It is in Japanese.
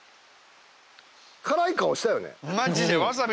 辛い顔したよね？